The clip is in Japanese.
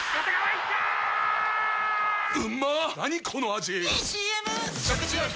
⁉いいＣＭ！！